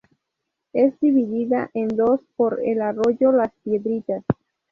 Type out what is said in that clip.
Es dividida en dos por el arroyo "Las piedritas".